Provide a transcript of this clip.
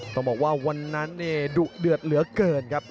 ต้องบอกว่าวันนั้นดุเดือดเหลือเกินครับ